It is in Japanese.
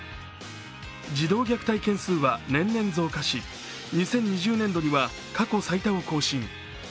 児童虐待件数は年々増加し２０２０年度には過去最多を更新。